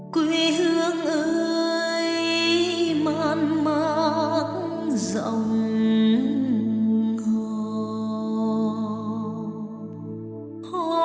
quê hương ơi man mát dòng hò